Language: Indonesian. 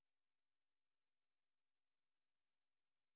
terutama dari dari indonesia